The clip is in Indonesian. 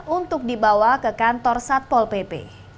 untuk dibawa ke kantor satpol pp